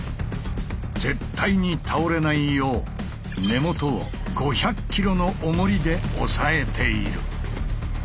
絶対に倒れないよう根元を５００ｋｇのおもりで押さえている。